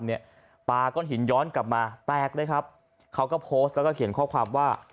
ปลาก้อนหินย้อนกลับมาแตกเลยครับเขาก็โพสต์แล้วก็เขียนข้อความว่า